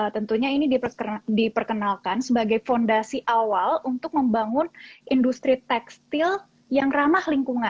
tentunya ini diperkenalkan sebagai fondasi awal untuk membangun industri tekstil yang ramah lingkungan